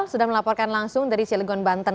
sudah melaporkan langsung dari cilegon banten